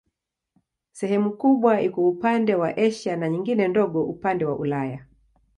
Sehemu kubwa iko upande wa Asia na nyingine ndogo upande wa Ulaya.